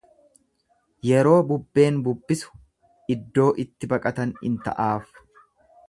Yeroo bubbeen bubbisu iddoo itti baqatan in ta'aaf.